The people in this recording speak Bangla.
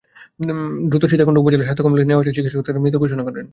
দ্রুত সীতাকুণ্ড উপজেলা স্বাস্থ্য কমপ্লেক্সে নেওয়া হলে চিকিৎসক তাকে মৃত ঘোষণা করেন।